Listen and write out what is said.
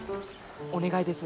お願いです。